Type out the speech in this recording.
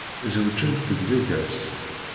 Zewǧent deg Vegas.